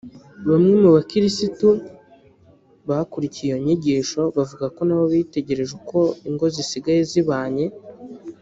Bamwe mu bakirisitu bakurikiye iyo nyigisho bavuga ko na bo bitegereje uko ingo zisigaye zibanye